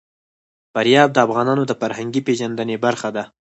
فاریاب د افغانانو د فرهنګي پیژندنې برخه ده.